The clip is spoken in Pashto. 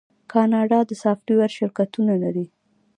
کاناډا د سافټویر شرکتونه لري.